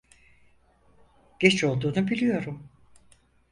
Geç olduğunu biliyorum.